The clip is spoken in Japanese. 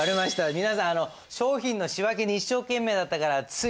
皆さんあの商品の仕分けに一生懸命だったからついですね